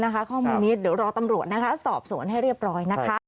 ข้อมูลนี้เดี๋ยวรอตำรวจสอบสวนให้เรียบร้อยนะคะ